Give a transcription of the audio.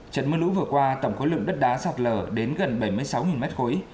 trận mưa lũ vừa qua tổng khối lượng đất đá sạt lở đến gần bảy mươi sáu mét khối